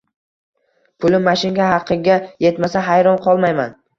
puli mashinka haqiga yetmasa, hayron qolmayman.